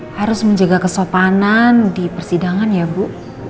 harus menjaga kesopanan di persidangan nanti